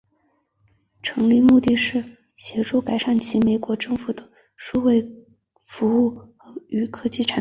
成立目的是协助改善其他美国政府的数位服务与科技产品。